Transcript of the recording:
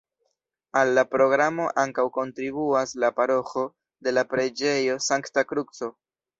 Al la programo ankaŭ kontribuas la paroĥo de la preĝejo Sankta Kruco.